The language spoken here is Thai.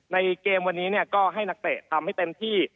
ในเกมวันนี้ก็ให้นักเตะทำให้เต็มที่